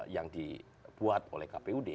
yang dibuat oleh kpud